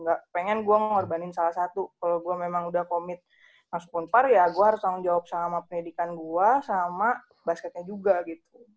ga pengen gua ngorbanin salah satu kalo gua memang udah komit masuk unpar ya gua harus tanggung jawab sama pendidikan gua sama basketnya juga gitu